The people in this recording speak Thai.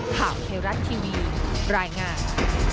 ข่าวไทยรัฐทีวีรายงาน